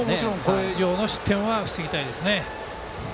これ以上の失点は防ぎたいですね。